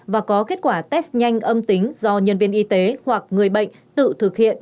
và có kết quả test nhanh âm tính do nhân viên y tế hoặc người bệnh tự thực hiện